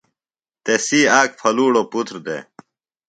تسی آک پھلُوڑوۡ پُتر دےۡ۔